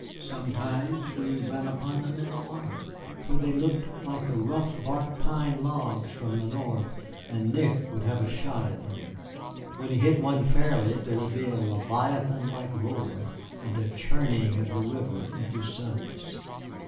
Sometimes we ran upon them in the water, where they looked like the rough bark pine logs from the North, and Nick would have a shot at them. When he hit one fairly there would be a leviathan like roar and a churning of the river into suds.